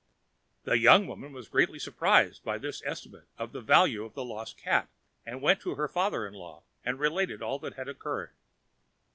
The young woman was greatly surprised by this estimate of the value of the lost cat, and went to her father in law and related all that had occurred.